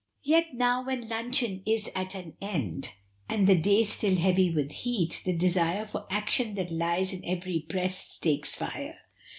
Yet now, when luncheon is at an end, and the day still heavy with heat, the desire for action that lies in every breast takes fire.